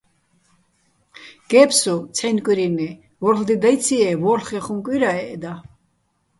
გე́ფსუ, ცჰ̦აჲნი̆ კვირინე, ვორ'ლ დე დაჲციჲე́, ვო́რ'ლღეჼ ხუმ კვირაჸეჸ და.